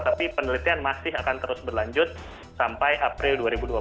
tapi penelitian masih akan terus berlanjut sampai april dua ribu dua puluh satu